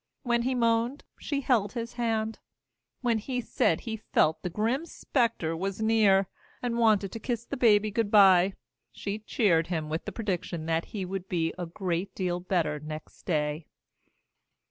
When he moaned, she held his hand. When he said he felt that the grim specter was near, and wanted to kiss the baby good by, she cheered him with the prediction that he would be a great deal better next day.